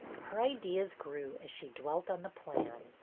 Her ideas grew as she dwelt on the plan.